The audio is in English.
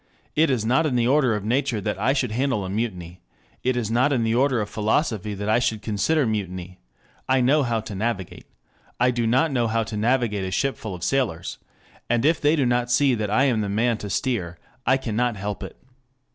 it is not in the order of nature that I should handle a mutiny... it is not in the order of philosophy that I should consider mutiny... I know how to navigate... I do not know how to navigate a ship full of sailors... and if they do not see that I am the man to steer, I cannot help it.